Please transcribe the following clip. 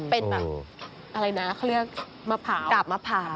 เป็นแบบอะไรนะเขาเรียกมะกาบมะพา